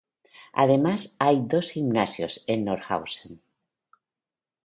Además, hay dos gimnasios en Nordhausen.